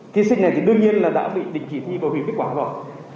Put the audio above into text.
thí sinh này thì đương nhiên là đã bị định chỉ thi và hủy kết quả rồi